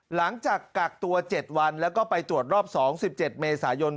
หลังจากกักตัว๗วันแล้วก็ไปตรวจรอบ๒๑๗เมษายน